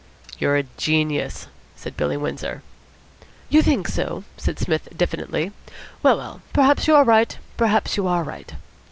"You're a genius," said Billy Windsor. "You think so?" said Psmith diffidently. "Well, well, perhaps you are right, perhaps you are right.